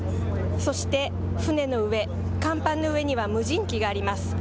そして、船の上、甲板の上には無人機があります。